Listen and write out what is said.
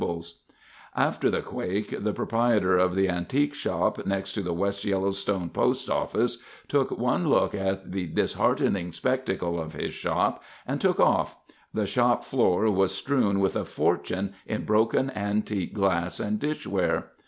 [Illustration: Antique shop after earthquake] After the quake, the proprietor of the antique shop next to the West Yellowstone Post Office took one look at the disheartening spectacle of his shop and took off. The shop floor was strewn with a fortune in broken antique glass and dishware.